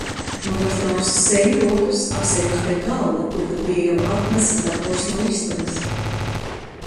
Nomazgājusi seju, rokas, apsēdos pie galda, kur pat bija jau atnests dators no istabas.